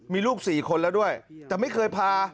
มีลูก๔คนแล้วด้วยแต่ไม่เคยพา